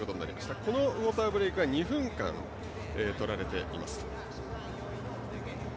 このウォーターブレイクは２分間とられています。